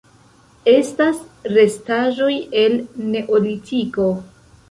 Estas restaĵoj el Neolitiko.